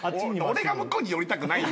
俺が向こうに寄りたくない。